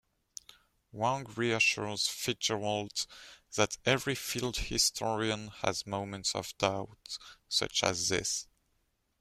Wang reassures Fitzgerald that every field historian has moments of doubt such as this.